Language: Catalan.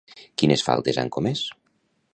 Quines faltes han comès?